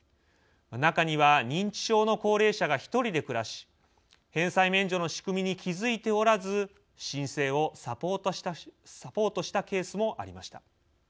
中には、認知症の高齢者が１人で暮らし返済免除の仕組みに気づいておらず申請をサポートしたケースもありました。